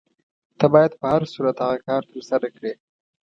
ته باید په هر صورت هغه کار ترسره کړې.